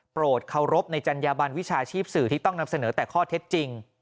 เคารพในจัญญาบันวิชาชีพสื่อที่ต้องนำเสนอแต่ข้อเท็จจริง